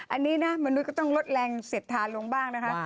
อันนี้นะมนุษย์ก็ต้องลดแรงเสียดทานลงบ้างนะคะ